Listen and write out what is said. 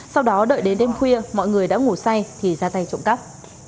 sau đó đợi đến đêm khuya mọi người đã ngủ say thì ra tay trộm cắp